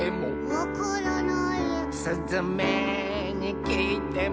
「わからない」「すずめにきいても」